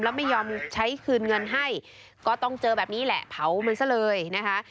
แล้วไม่ยอมใช้คืนเงินให้ก็ต้องเจอแบบนี้แหละเผามันซะเลยนะคะ